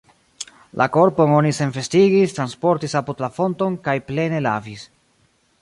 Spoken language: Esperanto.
La korpon oni senvestigis, transportis apud la fonton, kaj plene lavis.